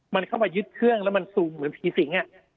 มันเข้ามายึดเครื่องแล้วมันซูมเหมือนผีสิง